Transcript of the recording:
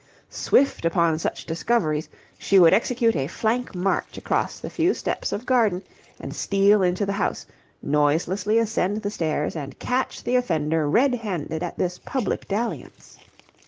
Swift upon such discoveries, she would execute a flank march across the few steps of garden and steal into the house, noiselessly ascend the stairs, and catch the offender red handed at this public dalliance.